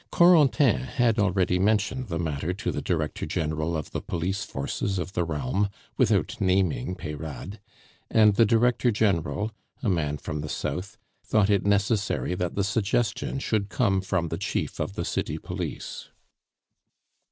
Corentin had already mentioned the matter to the Director General of the police forces of the realm, without naming Peyrade; and the Director General, a man from the south, thought it necessary that the suggestion should come from the chief of the city police.